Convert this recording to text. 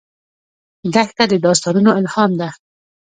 دښته د داستانونو الهام ده.